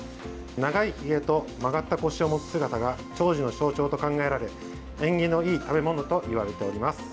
長いひげと曲がった腰を持つ姿が長寿の象徴と考えられ縁起のいい食べ物といわれております。